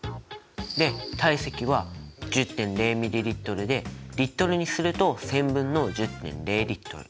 で体積は１０．０ｍＬでＬにすると１０００分の１０．０Ｌ。